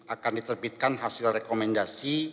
akan diterbitkan hasil rekomendasi